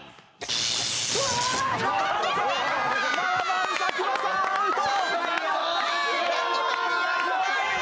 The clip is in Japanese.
７番、佐久間さんアウト。